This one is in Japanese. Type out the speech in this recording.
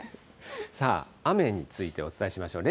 さあ、雨についてお伝えしましょう。